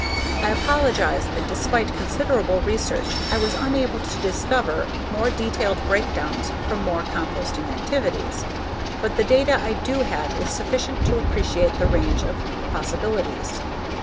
I apologize that despite considerable research I was unable to discover more detailed breakdowns from more composting activities. But the data I do have is sufficient to appreciate the range of possibilities.